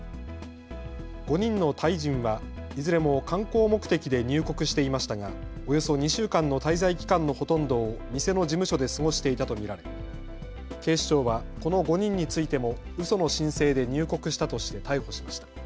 ５人のタイ人はいずれも観光目的で入国していましたがおよそ２週間の滞在期間のほとんどを店の事務所で過ごしていたと見られ、警視庁はこの５人についてもうその申請で入国したとして逮捕しました。